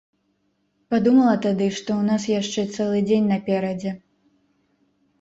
Падумала тады, што ў нас яшчэ цэлы дзень наперадзе.